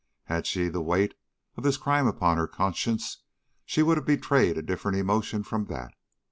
Had she had the weight of this crime upon her conscience, she would have betrayed a different emotion from that.